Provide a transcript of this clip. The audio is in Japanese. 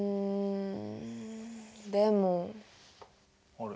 あれ？